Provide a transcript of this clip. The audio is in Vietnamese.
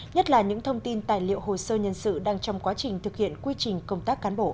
nhất là những thông tin tài liệu hồ sơ nhân sự đang trong quá trình thực hiện quy trình công tác cán bộ